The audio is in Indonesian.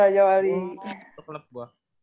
ya betul tuh rajawali